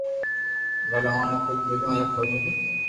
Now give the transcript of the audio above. ڀلي اوني ڪجھ ميلتو يا ڪوئي ملتو